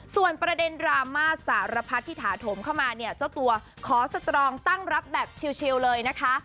ส่วนประเด็นดราม่าสารพัดที่ถาโถมเข้ามาเนี่ยเจ้าตัวขอสตรองตั้งรับแบบชิลเลยนะคะ